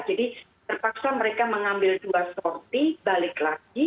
jadi terpaksa mereka mengambil dua sorti balik lagi